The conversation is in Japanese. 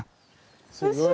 すごい。